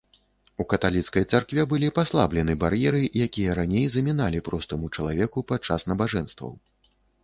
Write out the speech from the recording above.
У каталіцкай царкве былі паслаблены бар'еры, якія раней заміналі простаму чалавеку падчас набажэнстваў.